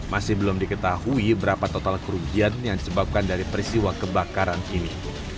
masih belum diketahui berapa total kerugian yang disebabkan dari peristiwa kebakaran ini